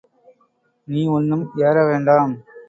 நீ ஒண்ணும் ஏற வேண்டாம்.